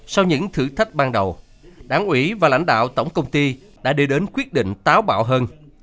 sau những thử thách ban đầu đảng ủy và lãnh đạo tổng công ty đã đi đến quyết định táo bạo hơn